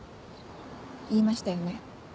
言いましたよね